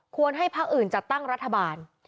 ให้พักอื่นจัดตั้งรัฐบาล